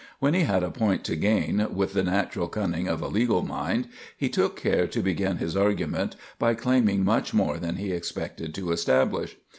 When he had a point to gain, with the natural cunning of a legal mind, he took care to begin his argument by claiming much more than he expected to establish.